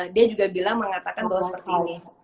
dia juga bilang mengatakan bahwa seperti ini